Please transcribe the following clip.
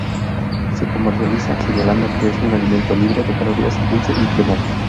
Se comercializa señalando que es un alimento libre de calorías, dulce y cremoso.